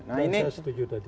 saya setuju tadi